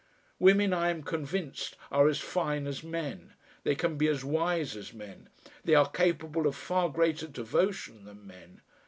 Women, I am convinced, are as fine as men; they can be as wise as men; they are capable of far greater devotion than men.